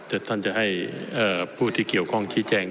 แต่ท่านจะให้ผู้ที่เกี่ยวข้องชี้แจง